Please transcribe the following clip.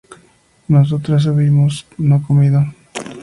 nosotras hubimos no comido